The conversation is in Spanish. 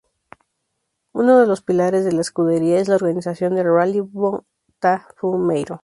Unos de los pilares de la Escudería es la organización del Rally Botafumeiro.